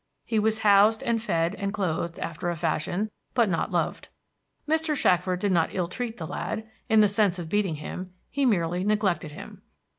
He was housed, and fed, and clothed, after a fashion, but not loved. Mr. Shackford did not ill treat the lad, in the sense of beating him; he merely neglected him.